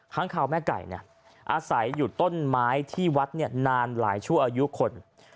ค้างคาวแม่ไก่อาศัยอยู่ต้นไม้ที่วัดนานหลายชั่วอายุคน